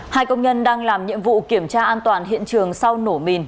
hai công nhân đang làm nhiệm vụ kiểm tra an toàn hiện trường sau nổ mìn